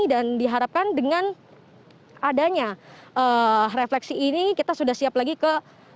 dan diharapkan dengan adanya refleksi ini kita sudah siap lagi ke